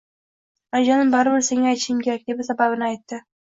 Onajonim baribir senga aytishim kerak, deb sababini aytdi